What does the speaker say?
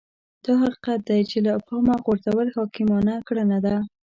دا حقيقت دی چې له پامه غورځول حکيمانه کړنه ده.